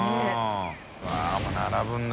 錣もう並ぶんだ。